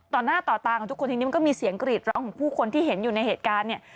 ต่อหน้าต่อตาของทุกคนที่ก็มีเสียงกรีดเล้าของผู้คนที่เห็นอยู่ในเหตุการณ์